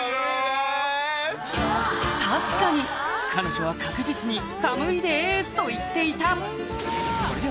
確かに彼女は確実に「寒いです！」と言っていた！